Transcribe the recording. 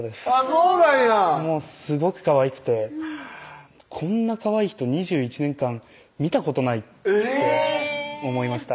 そうなんやもうすごくかわいくてこんなかわいい人２１年間見たことないって思いました